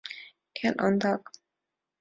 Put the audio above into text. Эн ондак...